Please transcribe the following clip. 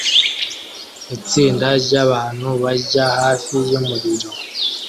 Itsinda ryabantu barya hafi yumuriro